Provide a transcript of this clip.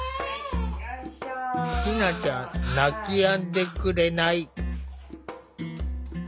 ひなちゃん泣きやんでくれない。